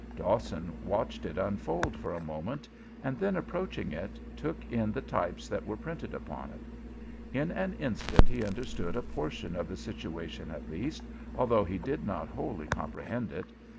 Dawson watched it unfold for a moment, and then, approaching it, took in the types that were printed upon it. In an instant he understood a portion of the situation at least, although he did not wholly comprehend it.